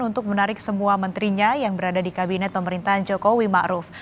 untuk menarik semua menterinya yang berada di kabinet pemerintah